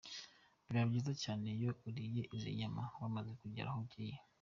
Biba byiza cyane iyo uriye izi nyama wamaze kugera aho ugiye.